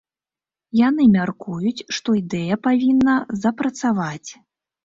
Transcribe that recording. Яны мяркуюць, што ідэя павінна запрацаваць.